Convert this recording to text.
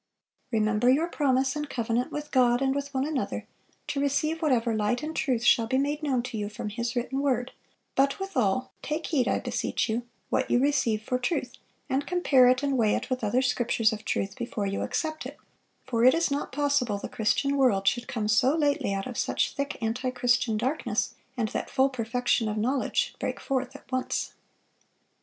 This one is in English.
Remember your promise and covenant with God and with one another, to receive whatever light and truth shall be made known to you from His written word; but withal, take heed, I beseech you, what you receive for truth, and compare it and weigh it with other scriptures of truth before you accept it; for it is not possible the Christian world should come so lately out of such thick antichristian darkness, and that full perfection of knowledge should break forth at once."